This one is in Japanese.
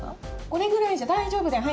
これくらいじゃ大丈夫だよ